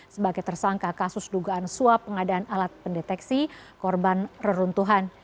sebagai tersangka kasus dugaan suap pengadaan alat pendeteksi korban reruntuhan